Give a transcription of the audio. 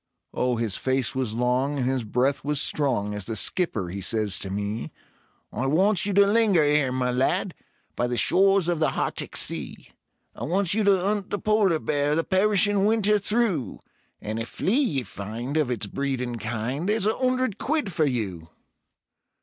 Oh, his face was long and his breath was strong, as the Skipper he says to me: "I wants you to linger 'ere, my lad, by the shores of the Hartic Sea; I wants you to 'unt the polar bear the perishin' winter through, And if flea ye find of its breed and kind, there's a 'undred quid for you."